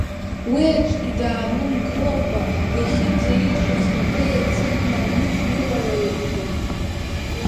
Уиаҿгьы даанымгылакәа, иахьынӡа илшоз инапы еиҵыхны анышә илалаирԥан…